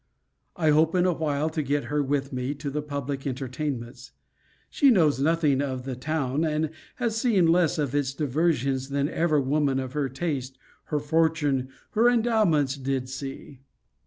I hope in a while to get her with me to the public entertainments. She knows nothing of the town, and has seen less of its diversions than ever woman of her taste, her fortune, her endowments, did see.